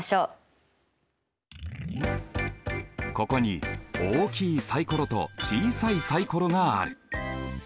ここに大きいサイコロと小さいサイコロがある。